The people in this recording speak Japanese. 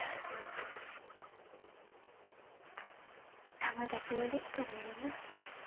友達もできたらええなぁ。